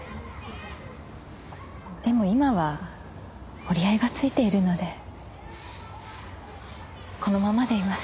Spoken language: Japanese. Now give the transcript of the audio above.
でも今は折り合いがついているのでこのままでいます。